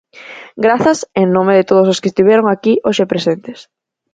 Grazas en nome de todos os que estiveron aquí hoxe presentes.